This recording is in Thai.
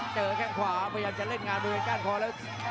เจอแข้งขวาพยายามจะเล่นงานบนกล้านคอแล้ว